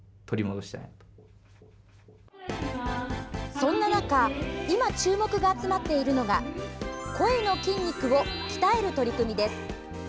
そんな中今、注目が集まっているのが声の筋肉を鍛える取り組みです。